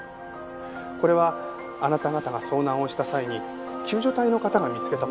これはあなた方が遭難をした際に救助隊の方が見つけたものです。